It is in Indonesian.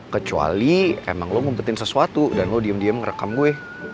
kecuali emang lo ngumpetin sesuatu dan lo diem diem rekam gue